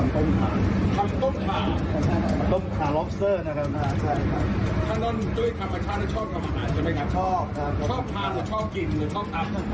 ครับผม